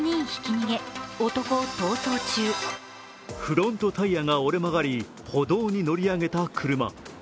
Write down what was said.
フロントタイヤが折れ曲がり歩道に乗り上げた車。